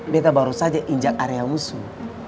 beta baru saja injak area musuh